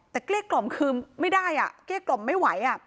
แต่เกลี้ยกล่อมคือไม่ได้เกลี้ยกล่อมไม่ไหว